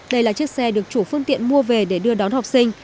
đây là chiếc xe được chủ phương tiện mua về để đưa đón học sinh